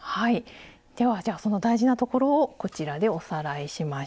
ではじゃあその大事なところをこちらでおさらいしましょう。